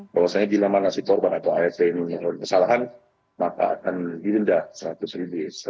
bahwasannya jika mana si korban atau art ini melalui kesalahan maka akan diindah seratus ribu